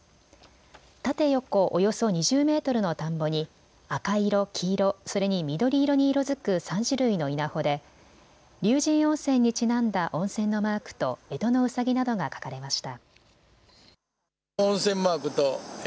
縦、横およそ２０メートルの田んぼに赤色、黄色、それに緑色に色づく３種類の稲穂で龍神温泉にちなんだ温泉のマークとえとのうさぎなどが描かれました。